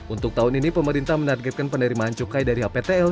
untuk tahun ini pemerintah menargetkan penerimaan cukai dari hptl